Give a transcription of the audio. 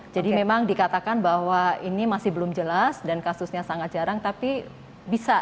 jadi memang dikatakan bahwa ini masih belum jelas dan kasusnya sangat jarang tapi bisa